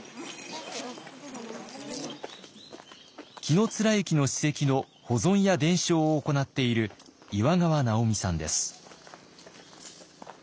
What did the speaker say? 紀貫之の史跡の保存や伝承を行っている岩川直美さんです。